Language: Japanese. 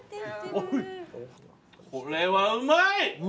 これはうまい！